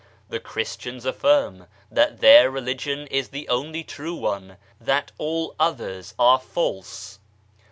The Christians affirm that their Religion is the only true one, that all others are false.